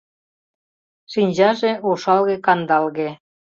Шинчаже ошалге-кандалге.